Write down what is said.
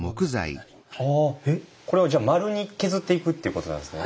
これをじゃあ丸に削っていくっていうことなんですね。